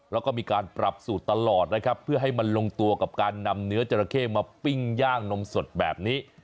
แล้วก็มีการปรับสูตรตลอดนะครับเพื่อให้มันลงตัวกับการนำเนื้อจราเข้มาปิ้งย่างนมสดแบบนี้